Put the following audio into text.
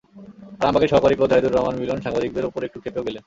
আরামবাগের সহকারী কোচ জাহিদুর রহমান মিলন সাংবাদিকদের ওপর একটু খেপেও গেলেন।